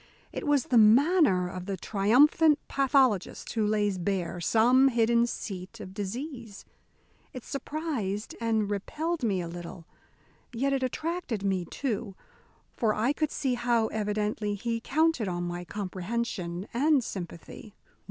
It was the manner of the triumphant pathologist who lays bare some hidden seat of disease. It surprised and repelled me a little; yet it attracted me, too, for I could see how evidently he counted on my comprehension and sympathy.